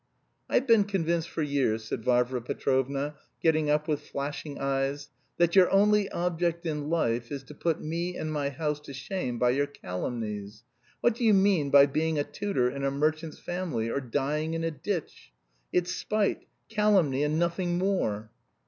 "I've been convinced for years," said Varvara Petrovna, getting up with flashing eyes, "that your only object in life is to put me and my house to shame by your calumnies! What do you mean by being a tutor in a merchant's family or dying in a ditch? It's spite, calumny, and nothing more."